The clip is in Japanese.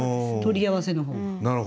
取り合わせの方が。